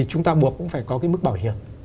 chúng ta buộc cũng phải có cái mức bảo hiểm